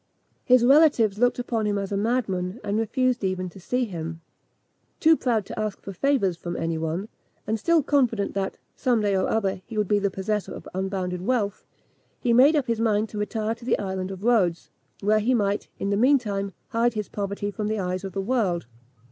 His relatives looked upon him as a madman, and refused even to see him. Too proud to ask for favours from any one, and still confident that, some day or other, he would be the possessor of unbounded wealth, he made up his mind to retire to the island of Rhodes, where he might, in the mean time, hide his poverty from the eyes of the world.